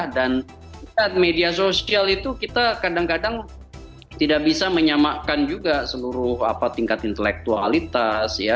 dan media sosial itu kita kadang kadang tidak bisa menyamakan juga seluruh tingkat intelektualitas ya